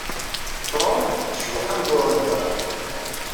Trang tecbeḥ am Dorenda.